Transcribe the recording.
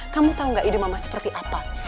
kamu tahu gak ide mama seperti apa